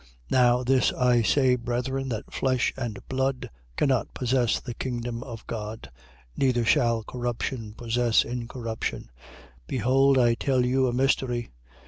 15:50. Now this I say, brethren, that flesh and blood cannot possess the kingdom of God: neither shall corruption possess incorruption. 15:51. Behold, I tell you a mystery.